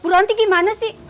bu ranti gimana sih